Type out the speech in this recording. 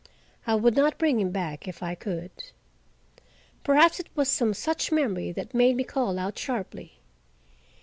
I would not bring him back if I could. Perhaps it was some such memory that made me call out sharply.